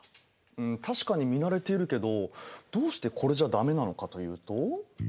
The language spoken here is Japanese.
ん確かに見慣れているけどどうしてこれじゃダメなのかというと？